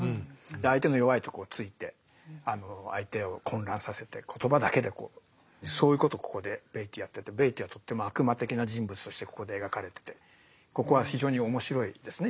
で相手の弱いとこをついて相手を混乱させて言葉だけでこうそういうことをここでベイティーやっててベイティーはとっても悪魔的な人物としてここで描かれててここは非常に面白いですね